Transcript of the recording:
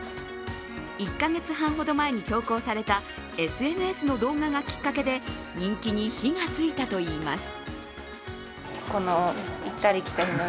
１か月半ほど前に投稿されたＳＮＳの動画がきっかけで人気に火がついたといいます。